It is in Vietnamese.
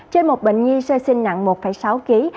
trên một bệnh nhi sơ sinh nặng một sáu kg